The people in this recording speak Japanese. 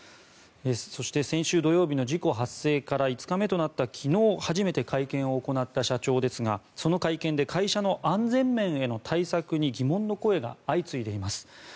そして、先週土曜日の事故発生から５日目となった昨日初めて会見を行った社長ですがその会見で会社の安全面への対策に疑問の声が相次いでいます。